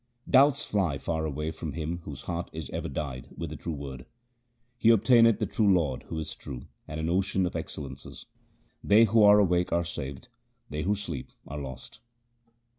Doubts fly far away from him whose heart is ever dyed with the true Word. He obtaineth the pure Lord who is true and an ocean of excellences. They who are awake are saved, they who sleep are lost.